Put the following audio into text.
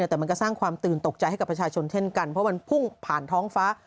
แต่มันก็สร้างความตื่นตกใจให้กับประชาชนเช่นกันเพราะมันพุ่งผ่านท้องฟ้า